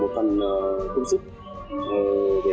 em mong muốn là mọi người sẽ